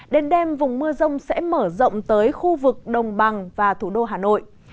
đến đêm vùng mưa rông sẽ mở rộng tới khu vực đồng bằng và thủ đô hà nội